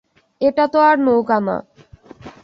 এটা তো আর নৌকা না।